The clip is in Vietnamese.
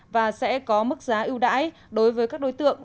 và sẽ có mức giá ưu đãi đối với các đối tượng